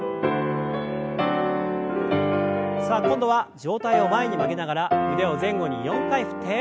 さあ今度は上体を前に曲げながら腕を前後に４回振って。